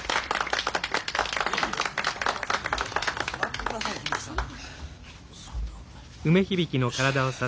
座ってくださいよ響さん。